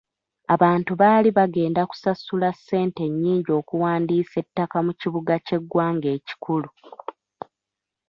Abantu baali bagenda kusasula ssente nnyingi okuwandiisa ettaka mu kibuga ky'eggwanga ekikulu.